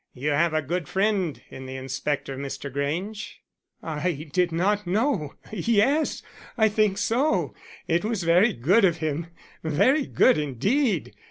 You have a good friend in the inspector, Mr. Grange." "I did not know yes I think so it was very good of him very good indeed."